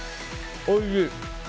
おいしい！